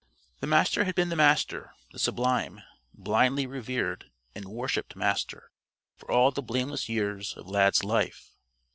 The Master had been the Master the sublime, blindly revered and worshiped Master for all the blameless years of Lad's life.